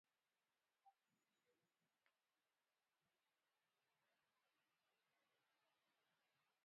Adiahaeka akpasọm ikikereke ntoro mkpa eyịn eyịneka amaadʌk enye idem nte ifịk adʌk awo ukod.